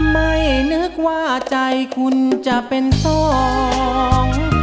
ไม่นึกว่าใจคุณจะเป็นสอง